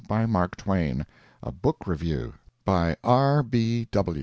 BY MARK TWAIN. A BOOK REVIEW. BY R.